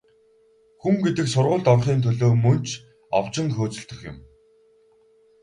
Хүн гэдэг сургуульд орохын төлөө мөн ч овжин хөөцөлдөх юм.